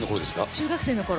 中学生のころ。